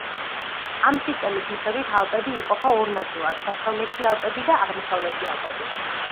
ამ სისტემის მიხედვით ალპები იყოფა ორ ნაწილად: დასავლეთი ალპები და აღმოსავლეთი ალპები.